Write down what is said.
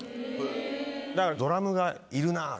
だから「ドラムがいるなぁ」。